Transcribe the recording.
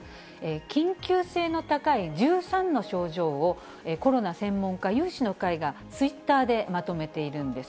緊急性の高い１３の症状を、コロナ専門家有志の会がツイッターでまとめているんです。